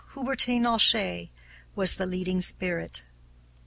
Hubertine Auchet was the leading spirit."